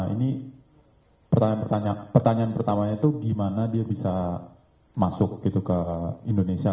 ini pertanyaan pertamanya itu gimana dia bisa masuk gitu ke indonesia